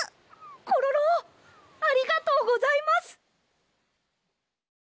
コロロありがとうございます。